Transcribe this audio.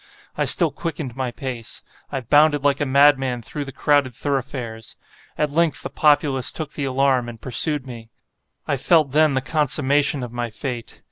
I still quickened my pace. I bounded like a madman through the crowded thoroughfares. At length, the populace took the alarm, and pursued me. I felt then the consummation of my fate.